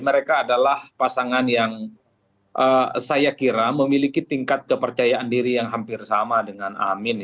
mereka adalah pasangan yang saya kira memiliki tingkat kepercayaan diri yang hampir sama dengan amin